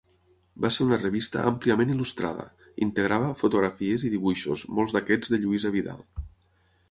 Va ser una revista àmpliament il·lustrada; integrava fotografies i dibuixos, molts d'aquests de Lluïsa Vidal.